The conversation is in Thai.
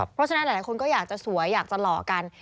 เพราะฉะนั้นหลายคนก็อยากจะสวยอยากจะหล่อกัน